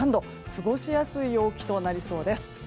過ごしやすい陽気となりそうです。